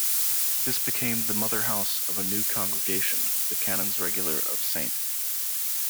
This became the mother-house of a new congregation, the Canons Regular of Ste.